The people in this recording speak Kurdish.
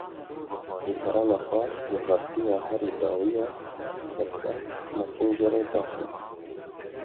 Ji kerema xwe guhertoya herî dawî ya WhatsApp Messengerê daxîne.